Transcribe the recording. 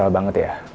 terlalu banget ya